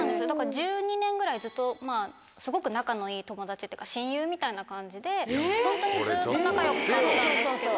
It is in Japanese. １２年ぐらいずっとすごく仲のいい友達っていうか親友みたいな感じでホントにずっと仲良かったんですけど。